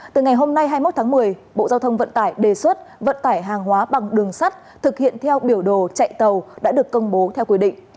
từ ngày hôm nay hai mươi một tháng một mươi bộ giao thông vận tải đề xuất vận tải hàng hóa bằng đường sắt thực hiện theo biểu đồ chạy tàu đã được công bố theo quy định